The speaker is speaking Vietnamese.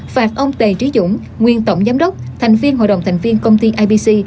phạt ông t trí dũng nguyên tổng giám đốc thành viên hội đồng thành viên công ty ipc